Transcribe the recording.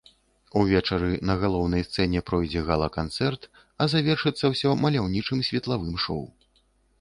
Увечары на галоўнай сцэне пройдзе гала-канцэрт, а завершыцца ўсё маляўнічым светлавым шоу.